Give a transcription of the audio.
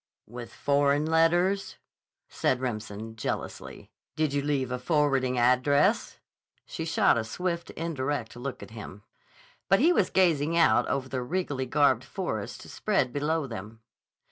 "With foreign letters?" said Remsen jealously. "Did you leave a forwarding address?" She shot a swift, indirect look at him. But he was gazing out over the regally garbed forest spread below them.